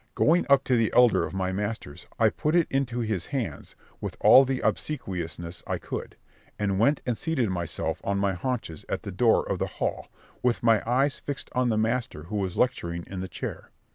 Going up to the elder of my masters, I put it into his hands, with all the obsequiousness I could, and went and seated myself on my haunches at the door of the hall, with my eyes fixed on the master who was lecturing in the chair.